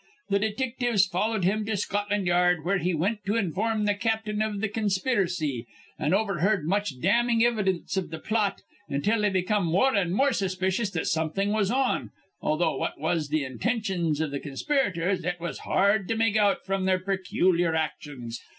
Th' detictives followed him to Scotland Yard, where he wint to inform th' captain iv th' conspiracy, an' overheard much damming ividence iv th' plot until they become more an' more suspicious that something was on, although what was th' intintions iv th' conspirators it was hard to make out fr'm their peculiar actions.